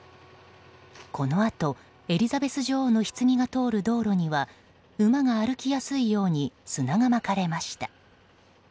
このあとエリザベス女王のひつぎが通る道路には馬が歩きやすいように砂がまかれました。